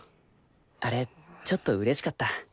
あれちょっと嬉しかった。